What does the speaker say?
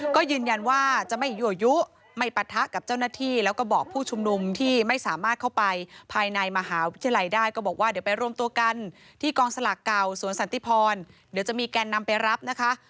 ก็ยืนยันว่าจะไม่ยั่วยุไม่ปะทะกับเจ้าหน้าที่แล้วก็บอกผู้ชุมนุมที่ไม่สามารถเข้าไปภายในมหาวิทยาลัยได้ก็บอกว่าเดี๋ยวไปรวมตัวกันที่กองสลากเก่าสวนสันติพรเดี๋ยวจะมีแกนนำไปรับนะคะ